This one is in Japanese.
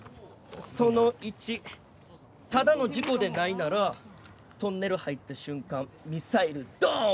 その１ただの事故でないならトンネル入った瞬間ミサイルドーン！